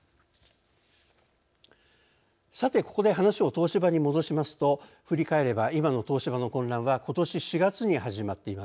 さてここで話を東芝に戻しますと振り返れば今の東芝の混乱はことし４月に始まっています。